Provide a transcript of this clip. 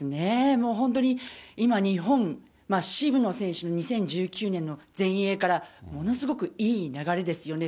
もう本当に今、日本、渋野選手の２０１９年の全英から、ものすごくいい流れですよね。